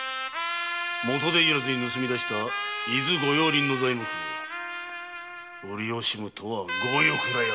元手要らずに盗み出した伊豆御用林の材木を売り惜しむとは強欲なヤツ